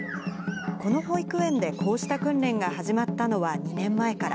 この保育園でこうした訓練が始まったのは２年前から。